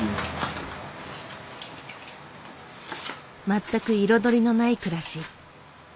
全く彩りのない暮らし。